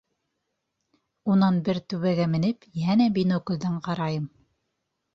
Унан бер түбәгә менеп йәнә биноклдән ҡарайым.